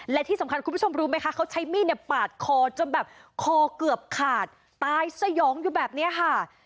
และที่สำคัญคุณผู้ชมรู้ไหมคะเขาใช้มีดเนี่ยปาดคอจนแบบคอเกือบขาดตายสยองอยู่แบบนี้ค่ะ